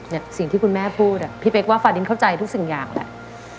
สิ่งที่คุณแม่พูดอ่ะพี่เป๊กว่าฟาดินเข้าใจทุกสิ่งอย่างแหละ